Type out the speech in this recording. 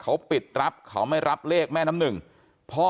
ความปลอดภัยของนายอภิรักษ์และครอบครัวด้วยซ้ำ